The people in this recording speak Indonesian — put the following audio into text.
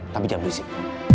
tapi jangan berisik